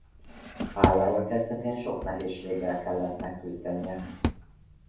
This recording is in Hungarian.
Pályája kezdetén sok nehézséggel kellett megküzdenie.